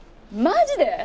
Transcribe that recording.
マジです。